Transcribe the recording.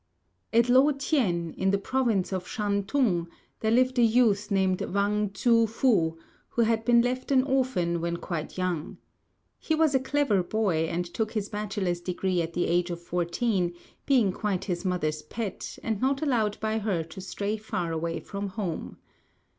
At Lo tien, in the province of Shantung, there lived a youth named Wang Tzŭ fu, who had been left an orphan when quite young. He was a clever boy, and took his bachelor's degree at the age of fourteen, being quite his mother's pet, and not allowed by her to stray far away from home.